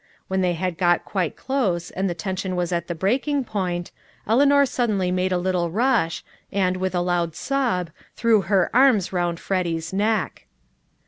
When they had got quite close, and the tension was at the breaking point, Eleanor suddenly made a little rush, and, with a loud sob, threw her arms round Freddy's neck.